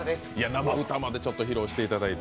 生歌まで披露していただいて。